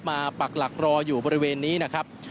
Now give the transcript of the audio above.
ปักหลักรออยู่บริเวณนี้นะครับ